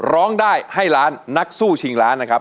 ร้องได้ให้ล้านนักสู้ชิงล้านนะครับ